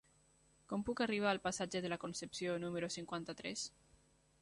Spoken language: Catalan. Com puc arribar al passatge de la Concepció número cinquanta-tres?